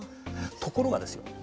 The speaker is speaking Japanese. ところがですよ。